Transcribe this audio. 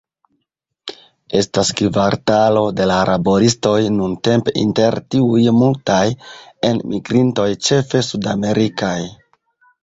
Estas kvartalo de laboristoj, nuntempe inter tiuj multaj enmigrintoj, ĉefe sudamerikaj.